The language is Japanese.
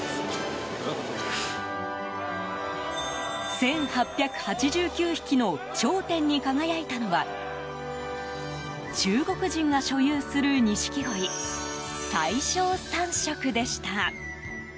１８８９匹の頂点に輝いたのは中国人が所有する錦鯉大正三色でした。